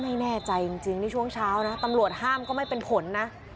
ไม่แน่ใจจริงนี่ช่วงเช้านะตำรวจห้ามก็ไม่เป็นผลนะ